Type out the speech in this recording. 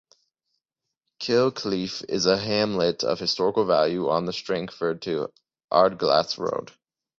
Kilclief is a hamlet of historical value on the Strangford to Ardglass road.